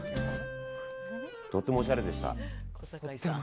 とってもおしゃれでした。